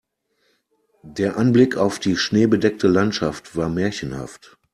Der Anblick auf die schneebedeckte Landschaft war märchenhaft.